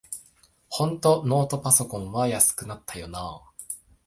ほんとノートパソコンは安くなったよなあ